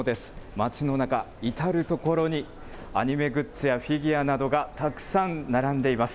街の中、至る所にアニメグッズやフィギュアなどがたくさん並んでいます。